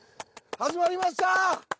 始まりました！